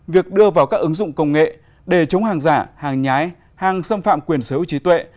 việc đưa vào các ứng dụng công nghệ để chống hàng giả hàng nhái hàng xâm phạm quyền sở hữu trí tuệ